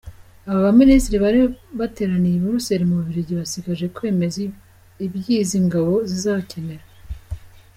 Aba baminisitiri bari bateraniye i Buruseli mu Bubiligi, basigaje kwemeza ibyo izi ngabo zizakenera.